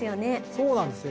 そうなんですよ。